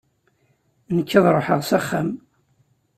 Nekk ad ruḥeɣ s axxam.